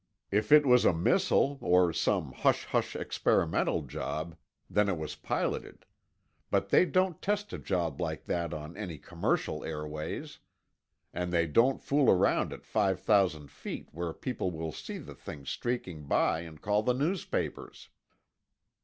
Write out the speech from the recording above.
"If it was a missile, or some hush hush experimental job, then it was piloted. But they don't test a job like that on any commercial airways. And they don't fool around at five thousand feet where people will see the thing streaking by and call the newspapers.